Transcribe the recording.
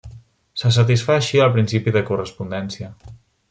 Se satisfà així el principi de correspondència.